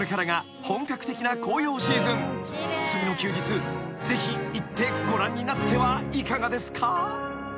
［次の休日ぜひ行ってご覧になってはいかがですか？］